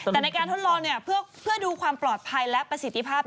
แต่ในการทดลองเพื่อดูความปลอดภัยและประสิทธิภาพ